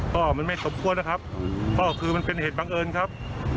ก็มันไม่สมควรนะครับก็คือมันเป็นเหตุบังเอิญครับ